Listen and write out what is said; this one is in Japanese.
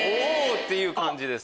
っていう感じです。